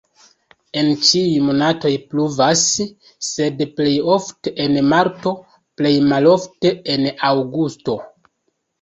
En ĉiuj monatoj pluvas, sed plej ofte en marto, plej malofte en aŭgusto.